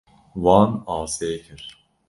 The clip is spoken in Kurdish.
Wan asê kir.